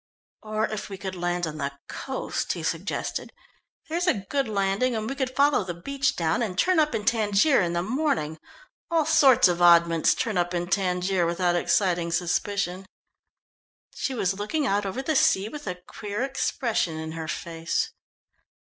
"Or if we could land on the coast," he suggested. "There's a good landing, and we could follow the beach down, and turn up in Tangier in the morning all sorts of oddments turn up in Tangier without exciting suspicion." She was looking out over the sea with a queer expression in her face.